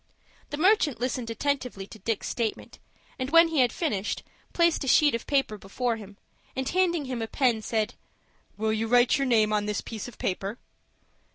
The merchant listened attentively to Dick's statement, and, when he had finished, placed a sheet of paper before him, and, handing him a pen, said, "Will you write your name on this piece of paper?"